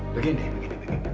begini begini begini